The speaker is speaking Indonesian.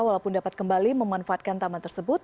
walaupun dapat kembali memanfaatkan taman tersebut